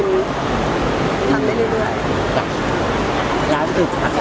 แล้วต้องก่อแปลกว่าเราจะทำอันนี้